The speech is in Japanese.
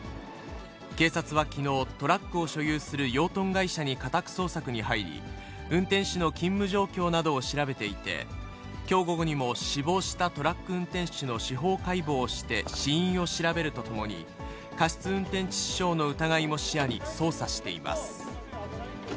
警察はきのう、トラックを所有する養豚会社に家宅捜索に入り、運転手の勤務状況などを調べていて、きょう午後にも、死亡したトラック運転手の司法解剖をして死因を調べるとともに、過失運転致死傷の疑いも視野に捜査しています。